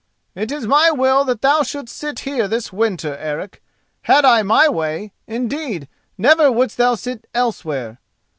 "It is my will that thou shouldest sit here this winter, Eric. Had I my way, indeed, never wouldest thou sit elsewhere.